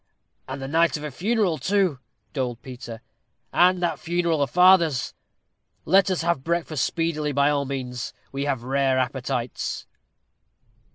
"And the night of a funeral too," doled Peter; "and that funeral a father's. Let us have breakfast speedily, by all means. We have rare appetites."